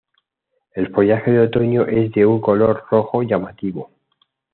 El follaje de otoño es de un color rojo llamativo.